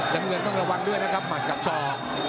น้ำเงินต้องระวังด้วยนะครับหมัดกับศอก